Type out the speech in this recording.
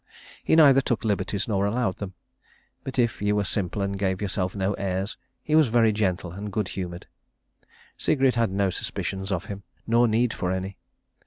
He neither took liberties nor allowed them; but if you were simple and gave yourself no airs he was very gentle and good humoured. Sigrid had no suspicions of him, nor need for any.